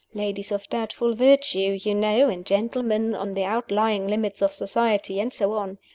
Ladies of doubtful virtue, you know, and gentlemen on the outlying limits of society, and so on.